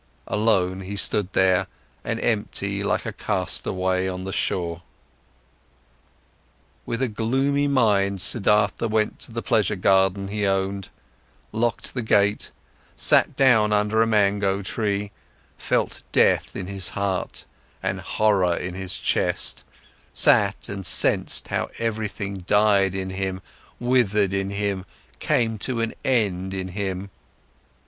Alone he stood there and empty like a castaway on the shore. With a gloomy mind, Siddhartha went to the pleasure garden he owned, locked the gate, sat down under a mango tree, felt death in his heart and horror in his chest, sat and sensed how everything died in him, withered in him, came to an end in him.